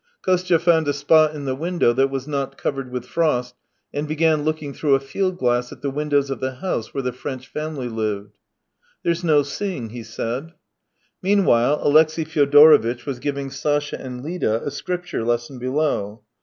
Kostya foimd a spot in the window that was not covered with frost, and began looking through a field glass at the windows of the house where the French family lived. " There's no seeing." he said. Meanwhile Alexey Fyodorovitch was giving Sasha and Lida a scripture lesson below.